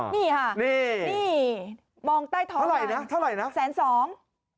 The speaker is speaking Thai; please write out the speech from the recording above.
นี่ค่ะนี่สานสอง